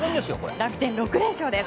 楽天、６連勝です。